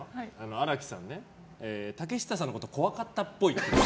荒木さん竹下さんのこと怖かったっぽい。